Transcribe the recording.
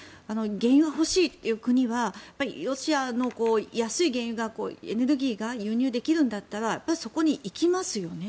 原油が欲しいという国はロシアの安い原油エネルギーが輸入できるんだったらそこに行きますよね。